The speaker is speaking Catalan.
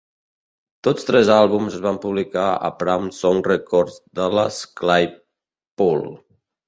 Tots tres àlbums es van publicar a Prawn Song Records de Les Claypool.